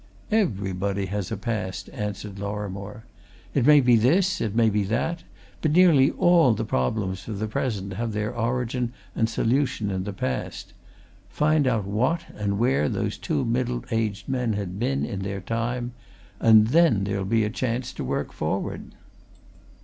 "Everybody has a past," answered Lorrimore. "It may be this; it may be that. But nearly all the problems of the present have their origin and solution in the past. Find out what and where those two middle aged men had been, in their time! and then there'll be a chance to work forward."